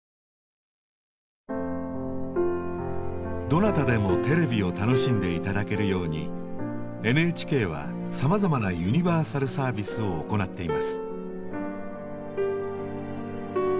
どなたでもテレビを楽しんで頂けるようにＮＨＫはさまざまなユニバーサルサービスを行っています。